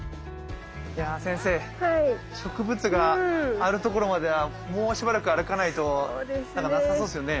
いやぁ先生植物があるところまではもうしばらく歩かないと無さそうですよね。